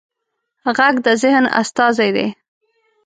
غږ د ذهن استازی دی